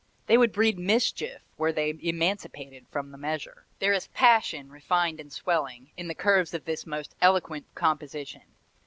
They would breed mischief, were they emancipated from the measure." There is passion, refined and swelling, in the curves of this most eloquent composition.